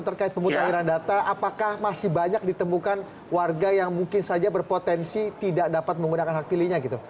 terkait pemutahiran data apakah masih banyak ditemukan warga yang mungkin saja berpotensi tidak dapat menggunakan hak pilihnya gitu